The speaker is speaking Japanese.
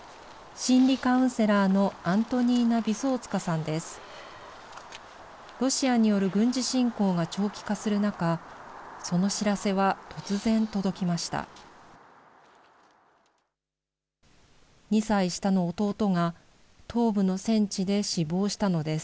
心理カウンセラーのアントニーナ・ビソーツカさんです。